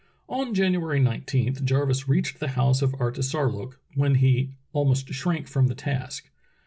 On January 19 Jarvis reached the house of Artisar look, when he "almost shrank from the task."